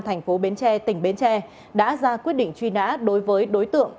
tp bến tre tỉnh bến tre đã ra quyết định truy nã đối với đối tượng